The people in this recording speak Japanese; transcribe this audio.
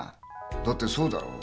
だってそうだろう？